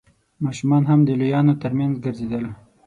ماشومان هم د لويانو تر مينځ ګرځېدل.